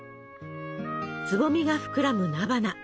つぼみが膨らむ菜花。